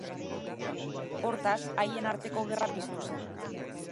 Hortaz, haien arteko gerra piztu zen.